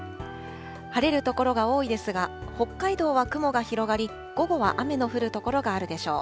晴れる所が多いですが、北海道は雲が広がり、午後は雨の降る所があるでしょう。